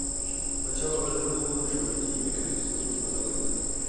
احمدشاه بابا د ښو مشورتي میکانیزمونو پلوي و.